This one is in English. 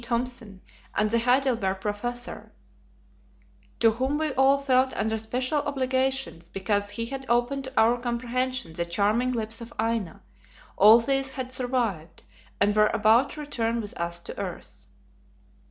Thompson, and the Heidelberg Professor, to whom we all felt under special obligations because he had opened to our comprehension the charming lips of Aina all these had survived, and were about to return with us to the earth.